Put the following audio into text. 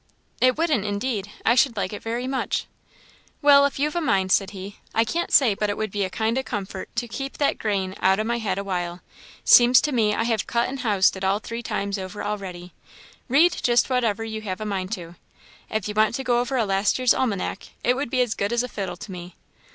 "It wouldn't, indeed. I should like it very much." "Well, if you've a mind," said he "I can't say but it would be a kind o' comfort to keep that grain out o' my head a while. Seems to me I have cut and housed it all three times over already. Read just whatever you have a mind to. If you was to go over a last year's almanac it would be as good as a fiddle to me."